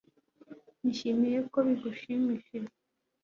Nishimiye ko bigushimishije